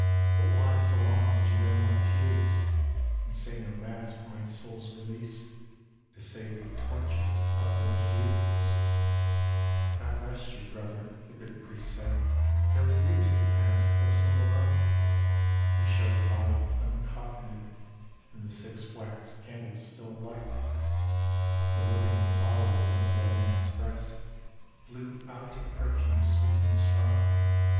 But why so long did you know my tears. And say no Mass for my soul's release To save the torture of those years?" D,gt,, erihyGOO^IC The Ballad of Judas Iscariot " God rest you, brother," the good priest said, " No years have passed — but a single night" He showed the body uncoffined And the six wax candles still alight; The living flowers on the dead man's breast Blew out a perfume sweet and strong.